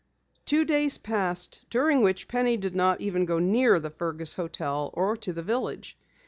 Two days passed during which Penny did not even go near the Fergus hotel or to the village.